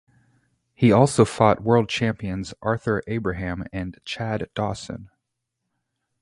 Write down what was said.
He also fought world champions Arthur Abraham and Chad Dawson.